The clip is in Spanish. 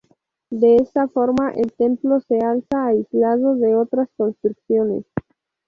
De esta forma el templo se alza aislado de otras construcciones.